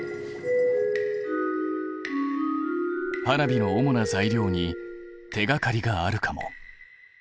花火の主な材料に手がかりがあるかも。